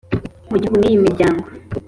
Mu gihugu n iy imiryango